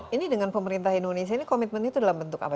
nah ini dengan pemerintah indonesia ini komitmennya dalam bentuk apa